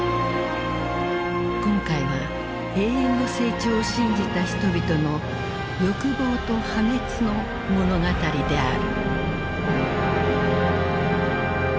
今回は永遠の成長を信じた人々の欲望と破滅の物語である。